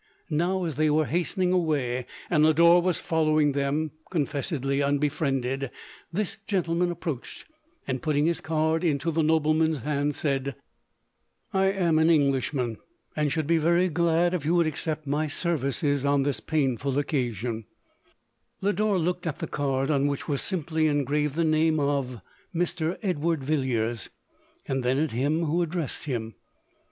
Now, as they were hastening away, and Lodore was following them, confessedly unbefriended, this gentleman approached, and putting his card into the no bleman's hand, said, " I am an Englishman, and should be very glad if you would accept my services on this painful occasion/"' Lodore looked at the card, on which was simply engraved the name of " Mr. Edward Villiers," and then at him who addressed him.